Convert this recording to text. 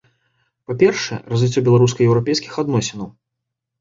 Па-першае, развіццё беларуска-еўрапейскіх адносінаў.